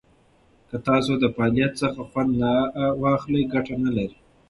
که تاسو د فعالیت څخه خوند نه واخلئ، ګټه نه لري.